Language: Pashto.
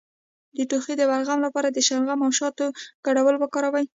د ټوخي د بلغم لپاره د شلغم او شاتو ګډول وکاروئ